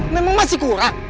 memang masih kurang